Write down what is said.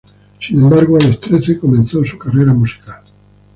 Sin embargo, a los trece comenzó su carrera musical.